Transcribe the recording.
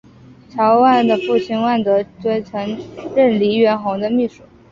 曹禺的父亲万德尊曾任黎元洪的秘书。